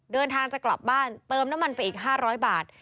เดินทางจากกลับบ้านเติมน้ำมันไปอีกห้าร้อยบาท